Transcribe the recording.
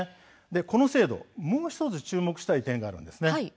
この制度、もう１つ注目したい点があるんです。